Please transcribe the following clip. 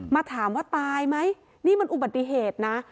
มาถามว่าตายไหมนี่มันอุบัติเหตุนะ